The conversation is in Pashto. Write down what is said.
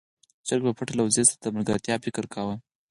چرګې په پټه له وزې سره د ملګرتيا فکر کاوه.